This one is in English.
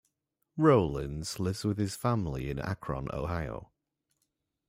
Rollins lives with his family in Akron, Ohio.